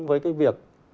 với cái việc